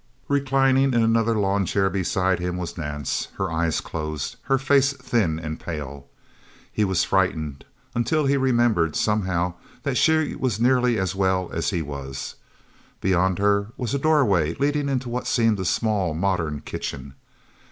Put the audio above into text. Reclining in another lawn chair beside his was Nance, her eyes closed, her face thin and pale. He was frightened until he remembered, somehow, that she was nearly as well as he was. Beyond her was a doorway, leading into what seemed a small, modern kitchen.